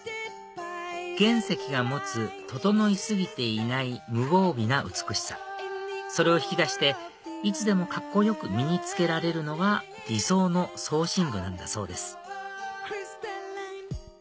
原石が持つ整い過ぎていない無防備な美しさそれを引き出していつでもカッコよく身に着けられるのが理想の装身具なんだそうです